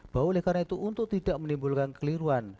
bahwa oleh karena itu untuk tidak menimbulkan keliruan